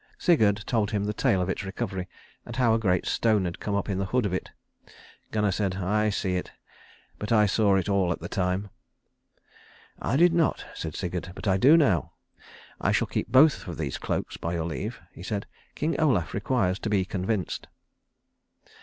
Sigurd told him the tale of its recovery, and how a great stone had come up in the hood of it. Gunnar said, "I see it but I saw it all at the time." "I did not," said Sigurd, "but now I do. I shall keep both of these cloaks, by your leave," he said. "King Olaf requires to be convinced."